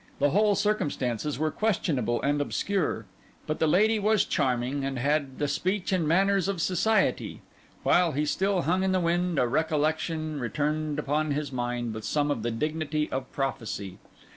The whole circumstances were questionable and obscure; but the lady was charming, and had the speech and manners of society. While he still hung in the wind, a recollection returned upon his mind with some of the dignity of prophecy.